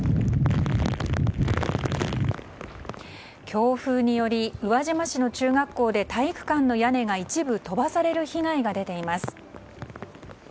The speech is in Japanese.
強風により、宇和島市の中学校で体育館の屋根が一部飛ばされる被害が出ています。